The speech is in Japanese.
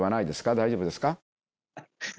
大丈夫ですか？